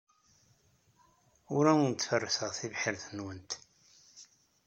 Ur awent-ferrseɣ tibḥirt-nwent.